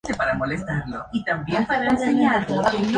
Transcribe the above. Se encuentran en Irian Jaya y Indonesia.